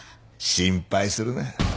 心配するな。